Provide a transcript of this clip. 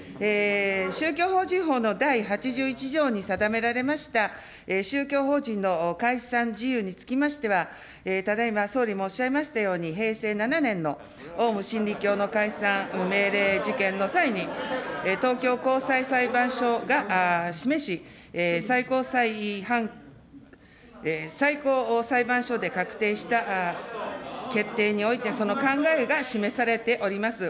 宗教法人法の第８１条に定められました、宗教法人の解散事由につきましては、ただいま総理もおっしゃいましたように、平成７年のオウム真理教の解散命令事件の際に、東京高裁裁判所が示し、最高さいはん、最高裁判所で確定した決定において、その考えが示されております。